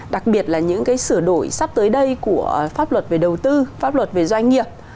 đặc biệt là những cái sửa đổi sắp tới đây của pháp luật về đầu tư pháp luật về doanh nghiệp